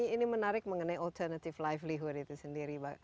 ini menarik mengenai alternative livelihood itu sendiri